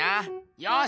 よし！